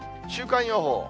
週間予報。